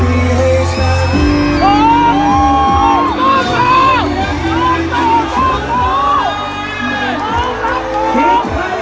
แล้วหยุดกิน